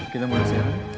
kita mulai siap